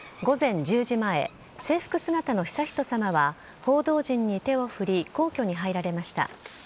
午前１０時前制服姿の悠仁さまは報道陣に手を振り皇居に入られました。